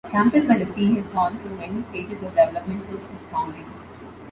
Campus By the Sea has gone through many stages of development since its founding.